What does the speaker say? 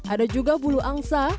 ada juga bulu angsa